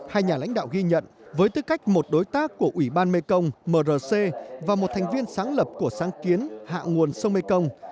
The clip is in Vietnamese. hai nhà lãnh đạo ghi nhận với tư cách một đối tác của ủy ban mekong mrc và một thành viên sáng lập của sáng kiến hạ nguồn sông mekong